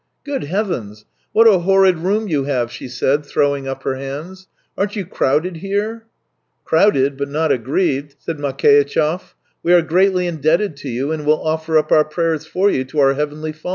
" Good heavens ! What a horrid room you have !" she said, throwing up her hands. " Aren't you crowded here ?"" Crowded, but not aggrieved," said Makei tchev. " We are greatly indebted to you, and will offer up our prayers for you to our Heavenly Father."